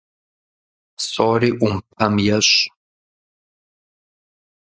Псори Ӏумпэм ещӏ.